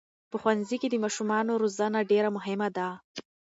په ښوونځي کې د ماشومانو روزنه ډېره مهمه ده.